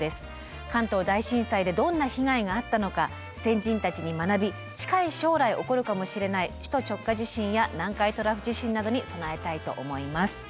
関東大震災でどんな被害があったのか先人たちに学び近い将来起こるかもしれない首都直下地震や南海トラフ地震などに備えたいと思います。